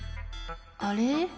あれ？